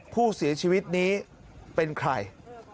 ผู้เสียชีวิตนี้เป็นใคร